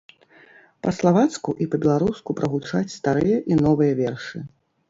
Па-славацку і па-беларуску прагучаць старыя і новыя вершы.